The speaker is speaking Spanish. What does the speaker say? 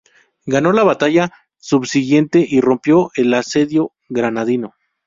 Ganó la batalla subsiguiente y rompió el asedio granadino.